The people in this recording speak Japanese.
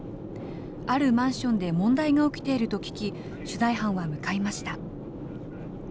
あるマンションで問題が起きていると聞き、取材班は向かいました。